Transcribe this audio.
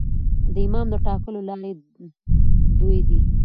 د امام د ټاکلو لاري دوې دي.